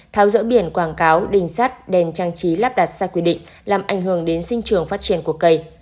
tháo dỡ biển quảng cáo đình sắt đèn trang trí lắp đặt sai quy định làm ảnh hưởng đến sinh trường phát triển của cây